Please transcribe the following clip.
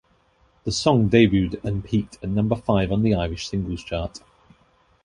The song debuted and peaked at number five on the Irish Singles Chart.